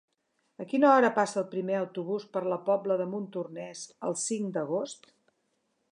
A quina hora passa el primer autobús per la Pobla de Montornès el cinc d'agost?